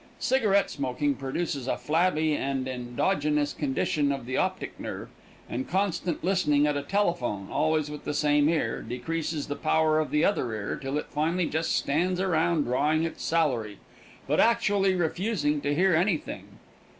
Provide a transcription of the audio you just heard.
Cigarette smoking produces a flabby and endogenous condition of the optic nerve, and constant listening at a telephone, always with the same ear, decreases the power of the other ear till it finally just stands around drawing its salary, but actually refusing to hear anything.